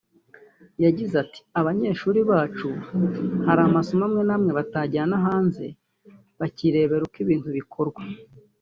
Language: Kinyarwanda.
yagize ati “Abanyeshuri bacu harimo amasomo amwe n’amwe tubajyana hanze bakirebera uko ibintu bikorwa